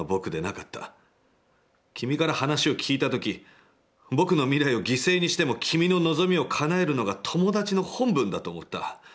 君から話を聞いた時、僕の未来を犠牲にしても、君の望みを叶えるのが、友達の本分だと思った。